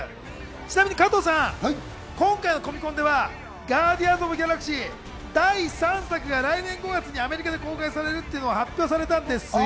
ちなみに加藤さん、今回のコミコンでは『ガーディアンズ・オブ・ギャラクシー』第３作が来年５月にアメリカで公開されるというのも発表されたんですよ。